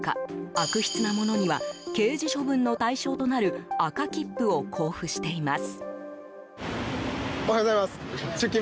悪質なものには刑事処分の対象となる赤切符を交付しています。